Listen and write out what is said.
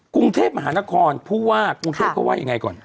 กรุงเทพมหานครผู้ว่ากรุงเทพเขาว่ายังไงก่อน